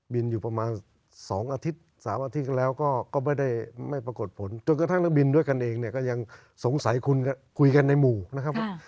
อยู่ประมาณ๒อาทิตย์๓อาทิตย์แล้วก็ไม่ได้ไม่ปรากฏผลจนกระทั่งนักบินด้วยกันเองเนี่ยก็ยังสงสัยคุณคุยกันในหมู่นะครับว่า